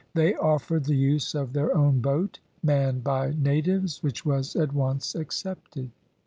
They offered the use of their own boat, manned by natives, which was at once accepted.